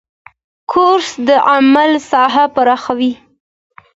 کورس د عمل ساحه پراخوي.